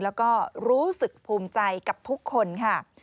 แล้วก็รู้สึกภูมิใจกับทุกคนค่ะ